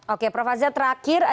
oke prof azra terakhir